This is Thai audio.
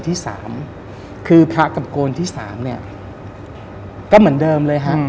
ที่สามคือพระกับโกนที่๓เนี่ยก็เหมือนเดิมเลยฮะ